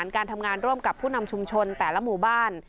กับผู้นำชุมชนแต่ละหมู่บ้าน